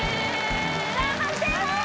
さあ判定は？